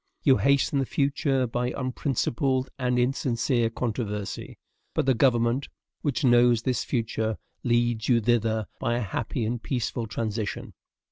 You hasten the future by unprincipled and insincere controversy; but the government, which knows this future, leads you thither by a happy and peaceful transition.